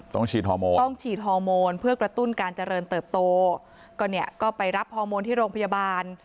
ต้องฉีดฮอร์โมนเพื่อกระตุ้นการเจริญเติบโตก็ไปรับฮอร์โมนที่โรงพยาบาล